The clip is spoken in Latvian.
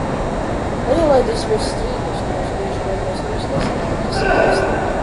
Neielaidīsimies strīdos, kuros bieži vien mēs nemaz nezinām, kas ir taisnība!